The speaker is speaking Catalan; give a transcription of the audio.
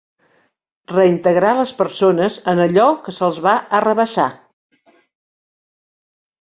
Reintegrar les persones en allò que se'ls va arrabassar.